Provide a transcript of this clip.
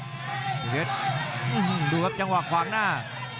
จริงเทศดูครับจังหวะขวางหน้า